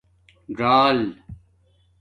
ژݴل